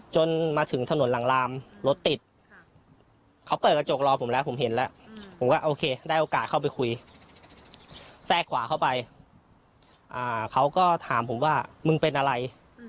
จนมาถึงถนนหลังลามรถติดเขาเปิดกระจกรอผมแล้วผมเห็นแล้วผมก็โอเคได้โอกาสเข้าไปคุยแทรกขวาเข้าไปเขาก็ถามผมว่ามึงเป็นอะไร